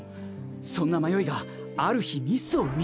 そんな迷いがある日ミスを生み。